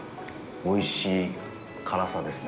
おいしい辛さですね。